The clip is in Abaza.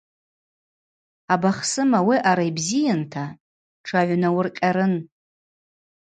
Абахсыма ауи аъарала йбзийынта тшагӏвнауыркъьарын.